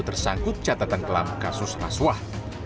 tersangkut catatan kelam kasus aswah